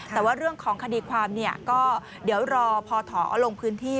แต่ว่าเรื่องของคดีความเนี่ยก็เดี๋ยวรอพอถอลงพื้นที่